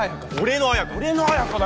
・俺の綾華だ